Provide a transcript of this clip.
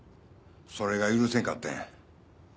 それが許せんかったんや。